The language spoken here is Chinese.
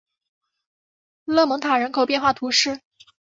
勒蒙塔人口变化图示